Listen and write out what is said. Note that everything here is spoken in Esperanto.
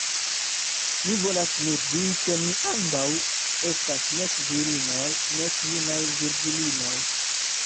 Mi volas nur diri, ke ni ambaŭ estas nek virinoj, nek junaj virgulinoj.